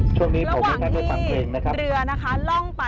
ระหว่างที่เรือน่ะคะล่องไปที่สองโครงครับ